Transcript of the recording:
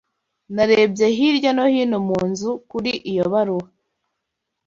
Narebye hirya no hino mu nzu kuri iyo baruwa.